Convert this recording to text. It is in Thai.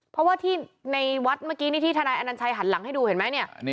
เพราะว่าที่ในวัดเมื่อกี้นี้ที่ทนายอนัญชัยหันหลังให้ดูเห็นไหมเนี่ย